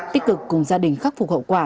tích cực cùng gia đình khắc phục hậu quả